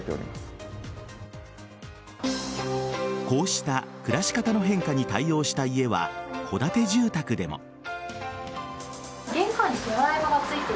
こうした暮らし方の変化に対応した家は戸建て住宅でも。